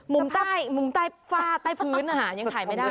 มุมใต้มุมใต้ฟ้าใต้พื้นอ่ะฮะยังถ่ายไม่ได้